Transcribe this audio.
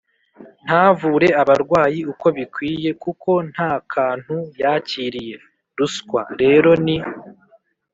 ntavure abarwayi uko bikwiye kuko nta kantu yakiriye. Ruswa rero ni